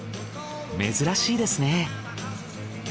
珍しいですね。